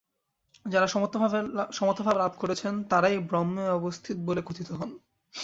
যাঁরা সমত্বভাব লাভ করেছেন, তাঁরাই ব্রহ্মে অবস্থিত বলে কথিত হন।